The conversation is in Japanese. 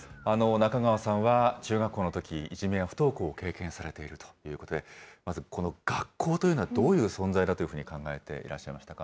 中川さんは中学校のとき、いじめや不登校を経験されているということで、まず、この学校というのは、どういう存在だというふうに考えていらっしゃいましたか？